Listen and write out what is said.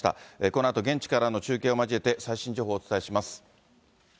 このあと、現地からの中継を交えて最新情報をお伝えします。